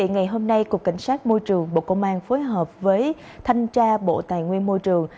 ngày hôm nay cục cảnh sát môi trường bộ công an phối hợp với thanh tra bộ tài nguyên môi trường